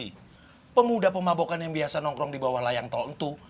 dari pemuda pemabokan yang biasa nongkrong di bawah layang tol entu